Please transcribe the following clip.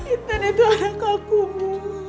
intan itu anak aku bu